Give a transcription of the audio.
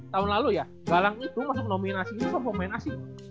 tauan lalu ya galang itu masuk nominasi itu cuma nominasi